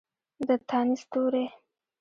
د تانیث توري